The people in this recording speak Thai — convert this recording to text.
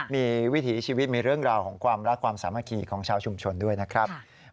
มีวิถีชีวิตมีเรื่องราวของความรักความสามัคคีของชาวชุมชนด้วยนะครับ